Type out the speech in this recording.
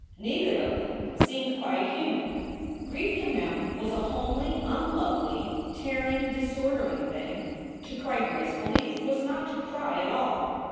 Neither of them seemed quite human. Grief to Mem was a homely, unlovely, tearing, disordering thing. To cry gracefully was not to cry at all.